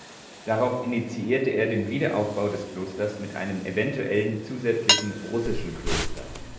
Darauf initiierte er den Wiederaufbau des Klosters mit einem eventuellen zusätzlichen russischen Kloster.